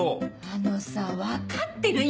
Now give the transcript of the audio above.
あのさ分かってる？